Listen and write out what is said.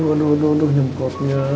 aduh aduh aduh nyemprotnya